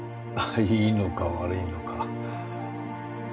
いいのか悪いのか。